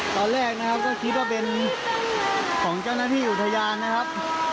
ตอนแรกนะครับก็คิดว่าเป็นของเจ้าหน้าที่อุทยานนะครับ